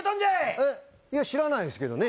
えっいや知らないですけどね